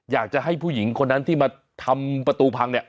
อยากจะให้ผู้หญิงคนนั้นที่มาทำประตูพังเนี่ย